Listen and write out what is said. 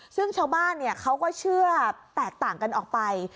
ซึ่งชาวบ้านเขาก็เชื่อแตกต่างกันออกไป